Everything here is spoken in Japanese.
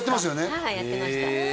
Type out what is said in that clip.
はいやってました